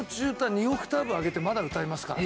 ２オクターブ上げてまだ歌えますから。